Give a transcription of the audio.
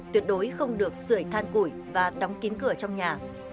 tuyệt đối không được sửa than củi và đóng kín cửa trong nhà